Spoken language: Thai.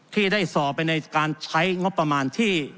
ที่ได้สอบไปในการใช้งบประมาณที่